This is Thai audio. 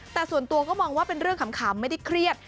แต่ส่วนตัวก็มองว่าเป็นเรื่องขำไม่ได้เครียด